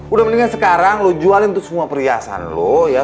udah mendingan sekarang lu jualin tuh semua perhiasan lu ya